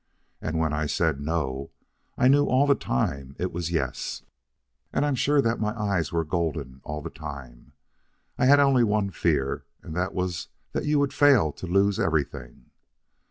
And when I said no, I knew all the time it was yes. And I am sure that my eyes were golden all the time. I had only one fear, and that was that you would fail to lose everything.